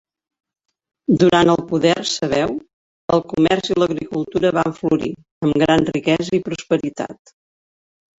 Durant el poder sabeu, el comerç i l'agricultura van florir, amb gran riquesa i prosperitat.